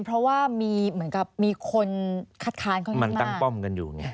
เพราะว่ามีคนคัดคานเขา